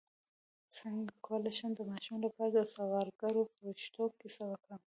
څنګه کولی شم د ماشومانو لپاره د سوالګرو فرښتو کیسه وکړم